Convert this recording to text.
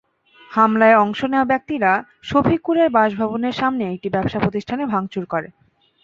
হামলায় অংশ নেওয়া ব্যক্তিরা শফিকুরের বাসভবনের সামনের একটি ব্যবসাপ্রতিষ্ঠানে ভাঙচুর করে।